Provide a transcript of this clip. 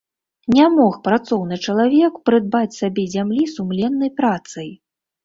Не мог працоўны чалавек прыдбаць сабе зямлі сумленнай працай.